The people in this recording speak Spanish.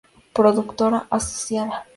Productora asociada